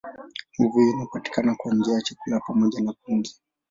Nguvu hii inapatikana kwa njia ya chakula pamoja na pumzi.